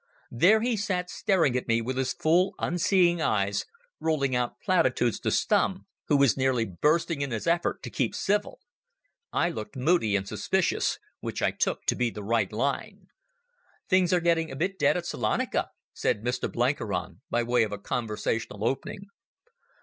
There he sat staring at me with his full, unseeing eyes, rolling out platitudes to Stumm, who was nearly bursting in his effort to keep civil. I looked moody and suspicious, which I took to be the right line. "Things are getting a bit dead at Salonika," said Mr Blenkiron, by way of a conversational opening.